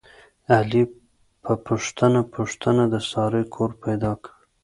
علي په پوښته پوښتنه د سارې کور پیدا کړ.